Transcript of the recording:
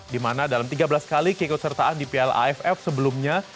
dimana dalam tiga belas kali keikutsertaan di plaff sebelumnya